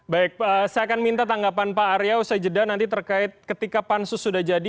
baik saya akan minta tanggapan pak arya usai jeda nanti terkait ketika pansus sudah jadi